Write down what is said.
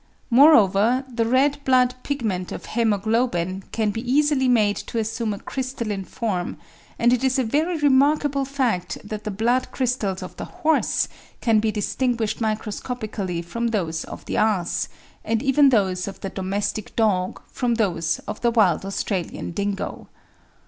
Moreover, the red blood pig ment of haemoglobin can be easily made to assume a crystalline form, and it is a very remarkable fact that the blood crystals of the horse can be distinguished microscopically from those of the ass, and even those of the domestic dog from those of the wild Australian dingo.